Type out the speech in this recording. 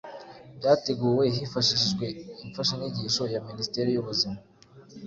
Byateguwe hifashishijwe imfashanyigisho ya Minisiteri y’Ubuzima